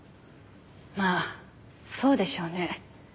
まあそうでしょうね。